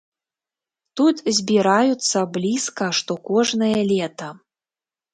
Тут збіраюцца блізка што кожнае лета.